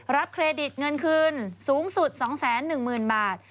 เครดิตเงินคืนสูงสุด๒๑๐๐๐บาท